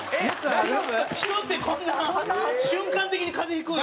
人ってこんな瞬間的に風邪ひくんや。